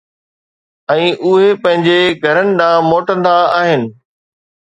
۽ اهي پنهنجن گهرن ڏانهن موٽندا آهن.